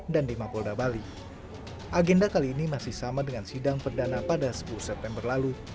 dan di mapolda bali agenda kali ini masih sama dengan sidang perdana pada sepuluh september lalu